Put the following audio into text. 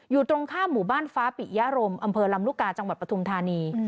อยู่ตรงข้ามหมู่บ้านฟ้าปิยารมอำเภอลำลูกกาจังหวัดปฐุมธานี